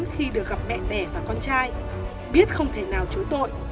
khi được gặp mẹ đẻ và con trai biết không thể nào chối tội